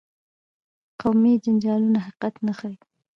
قومي جنجالونه حقیقت نه ښيي.